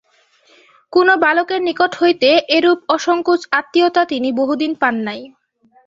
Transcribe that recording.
কোনো বালকের নিকট হইতে এরূপ অসংকোচ আত্মীয়তা তিনি বহুদিন পান নাই।